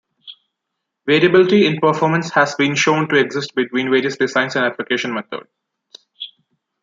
Variability in performance has been shown to exist between various designs and application methods.